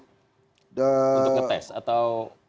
untuk ngetes atau